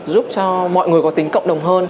giúp cho mọi người có tính cộng đồng hơn